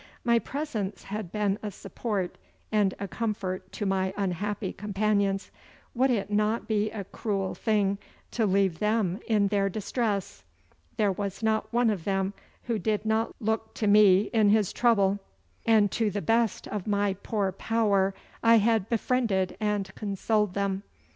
My presence had been a support and a comfort to my unhappy companions. Would it not be a cruel thing to leave them in their distress? There was not one of them who did not look to me in his trouble, and to the best of my poor power I had befriended and consoled them.